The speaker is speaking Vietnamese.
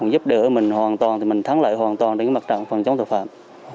đỡ mình hoàn toàn thì mình thắng lại hoàn toàn đến mặt trạng phòng chống tội phạm